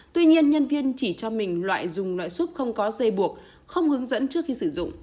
tuy nhiên nhân viên chỉ cho mình loại dùng loại súp không có dây buộc không hướng dẫn trước khi sử dụng